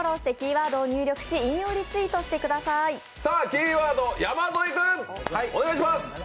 キーワード、山添君お願いします！